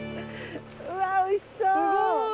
うわっおいしそう！